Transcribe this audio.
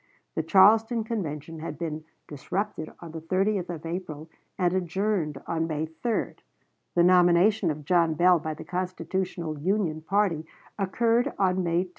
The Charleston Convention had been disrupted on the 30th of April, and adjourned on May 3; the nomination of John Bell by the Constitutional Union party occurred on May 10.